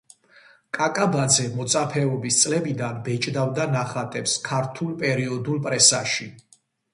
კაკაბაძე მოწაფეობის წლებიდან ბეჭდავდა ნახატებს ქართულ პერიოდულ პრესაში.